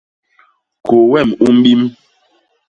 Kôô wem u mbim.